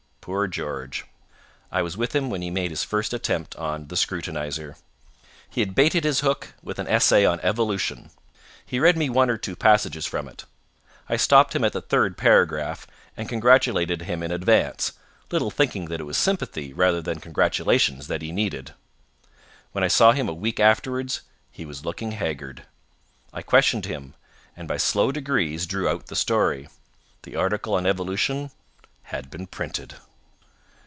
Poor George! I was with him when he made his first attempt on the Scrutinizer. He had baited his hook with an essay on Evolution. He read me one or two passages from it. I stopped him at the third paragraph, and congratulated him in advance, little thinking that it was sympathy rather than congratulations that he needed. When I saw him a week afterwards he was looking haggard. I questioned him, and by slow degrees drew out the story. The article on Evolution had been printed.